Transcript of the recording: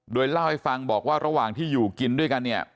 โดยเล่าให้ฟังบอกว่าระหว่างที่อยู่กินด้วยกันเนี่ย